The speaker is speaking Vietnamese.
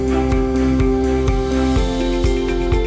chào tạm biệt thưa các bạn